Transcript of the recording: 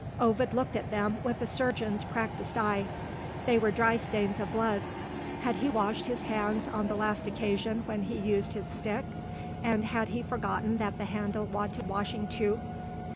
Ovid looked at them with a surgeon's practised eye. They were dry stains of blood. (Had he washed his hands on the last occasion when he used his stick? And had he forgotten that the handle wanted washing too?)